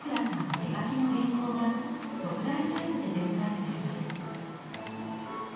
手書きの原稿が特大サイズで出迎えてくれます。